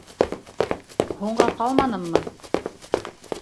Һуңға ҡалманыммы?